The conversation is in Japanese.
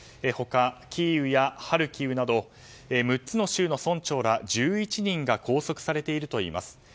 他、キーウやハルキウなど６つの州の村長ら１１人が拘束されているといいます。